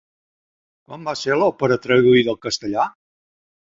Quan va ser l'òpera traduïda al castellà?